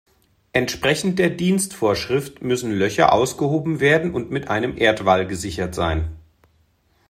Entsprechend der Dienstvorschrift müssen Löcher ausgehoben werden und mit einem Erdwall gesichert sein.